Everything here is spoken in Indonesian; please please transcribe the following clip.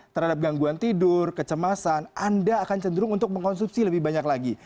terhadap gangguan tidur kecemasan anda akan cenderung untuk mengkonsumsi lebih banyak lagi